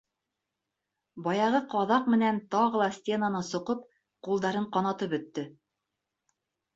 Баяғы ҡаҙаҡ менән тағы ла стенаны соҡоп ҡулдарын ҡанатып бөттө.